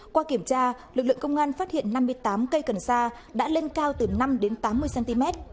qua kiểm tra lực lượng công an phát hiện năm mươi tám cây cần sa đã lên cao từ năm đến tám mươi cm